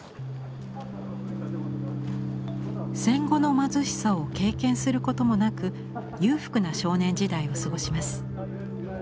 戦後の貧しさを経験することもなく裕福な少年時代を過ごします。